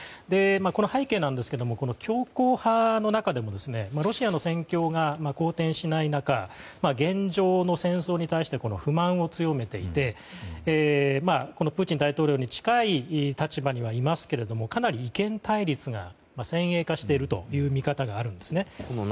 背景なんですが強硬派の中でもロシアの戦況が好転しない中現状の戦争に対して不満を強めていてプーチン大統領に近い立場にはいますけれどもかなり意見対立が先鋭化しているという見方があるんですね。